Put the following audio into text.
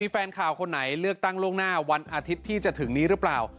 แฟนข่าวคนไหนเลือกตั้งล่วงหน้าวันอาทิตย์ที่จะถึงนี้หรือเปล่า